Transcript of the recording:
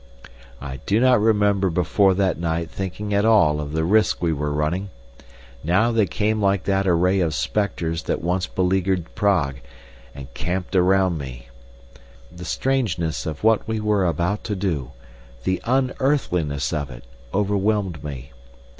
I do not remember before that night thinking at all of the risks we were running. Now they came like that array of spectres that once beleaguered Prague, and camped around me. The strangeness of what we were about to do, the unearthliness of it, overwhelmed me.